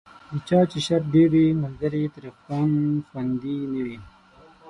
د چا چې شر ډېر وي، ملګری یې ترې هم خوندي نه وي.